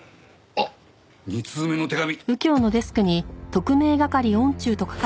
あっ２通目の手紙。